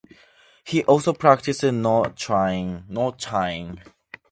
He also practiced knot tying.